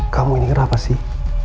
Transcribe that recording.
kamu ini kenapa sih